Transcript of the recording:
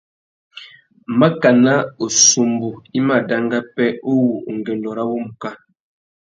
Makana « ussumbu i má danga pêh uwú ungüêndô râ wumuká ».